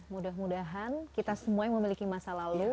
mudah mudahan kita semua yang memiliki masa lalu